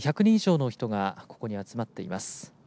１００人以上の人がここに集まっています。